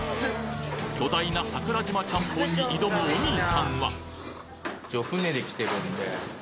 巨大な桜島ちゃんぽんに挑むお兄さんは船で来てる？